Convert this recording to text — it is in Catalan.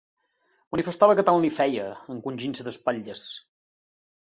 Manifestava que tant li feia encongint-se d'espatlles.